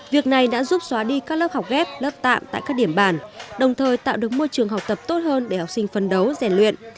việc này đã giúp xóa đi các lớp học ghép lớp tạm tại các điểm bản đồng thời tạo được môi trường học tập tốt hơn để học sinh phân đấu rèn luyện